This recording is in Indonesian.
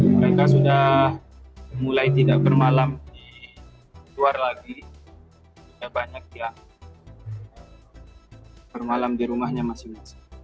mereka sudah mulai tidak bermalam di luar lagi banyak yang bermalam di rumahnya masing masing